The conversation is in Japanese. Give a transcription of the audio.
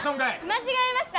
間違えました。